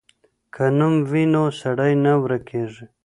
که نوم وي نو سړی نه ورکېږي.